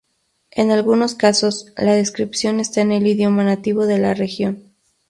En algunos casos, la descripción está en el idioma nativo de la región.